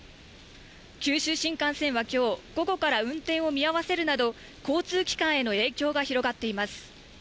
九州新幹線はきょう、午後から運転を見合わせるなど、交通機関への影響が広がっています。